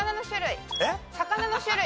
魚の種類。